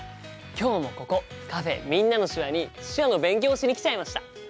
今日もここカフェ「みんなの手話」に手話の勉強をしに来ちゃいました！